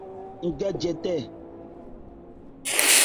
Ń gɛ jɛtɛn.